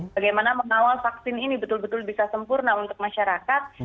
bagaimana mengawal vaksin ini betul betul bisa sempurna untuk masyarakat